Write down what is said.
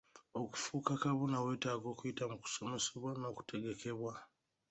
Okufuuka kabona weetaaga okuyita mu kusomesebwa n'okutegekebwa.